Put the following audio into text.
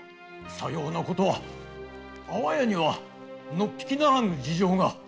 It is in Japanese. さようなことは安房屋にはのっぴきならぬ事情が。